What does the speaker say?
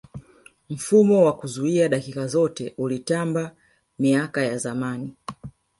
mfumo wa kuzuia dakika zote ulitamba miaka ya zamani